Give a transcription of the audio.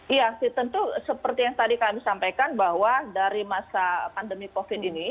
iya tentu seperti yang tadi kami sampaikan bahwa dari masa pandemi covid ini